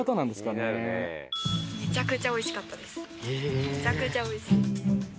めちゃくちゃおいしい。